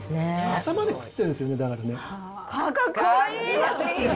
頭で食ってんですよね、だからね。